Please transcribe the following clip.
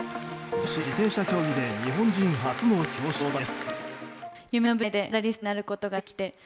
女子自転車競技で日本人初の表彰台です。